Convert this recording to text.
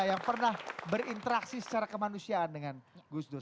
yang pernah berinteraksi secara kemanusiaan dengan gus dur